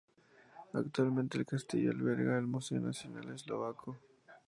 Actualmente el castillo alberga el Museo Nacional Eslovaco.